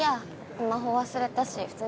スマホ忘れたし普通に帰る。